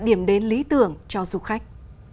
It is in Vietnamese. điểm đến lý tưởng cho du khách